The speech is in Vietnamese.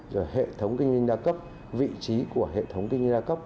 rồi hệ thống kinh doanh đa cấp vị trí của hệ thống kinh doanh đa cấp